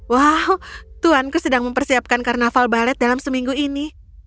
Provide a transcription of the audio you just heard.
wow tuhanku sedang mempersiapkan karnaval balet dalam seminggu ini